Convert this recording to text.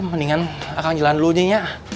mendingan akang jalan dulu nyi nya